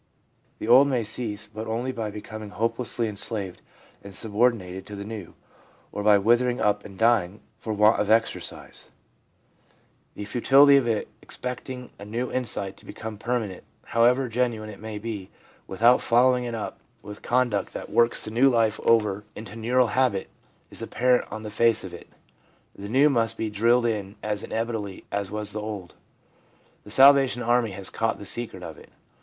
The old may cease, but only by becoming hopelessly enslaved and sub ordinated to the new, or by withering up and dying for want of exercise. The futility of expecting a new insight to become permanent, however genuine it may be, without follow ing it up with conduct that works the new life over into LINE OF GROWTH FOLLOWING CONVERSION 363 neural habit, is apparent on the face of it. The new must be drilled in as indelibly as was the old. The Salvation Army has caught the secret of it.